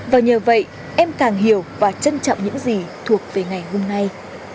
và nhờ vậy em càng hiểu và trân trọng những gì thuộc về ngày hôm nay